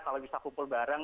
kalau bisa kumpul bareng